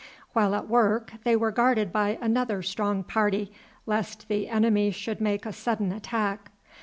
While at work they were guarded by another strong party, lest the enemy should make a sudden attack.